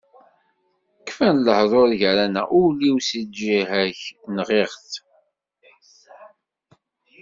Kfan lehdur gar-aneɣ, ul-iw si lǧiha-k nɣiɣ-t.